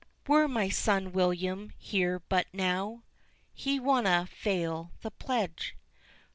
"Were my son William here but now, He wadna fail the pledge."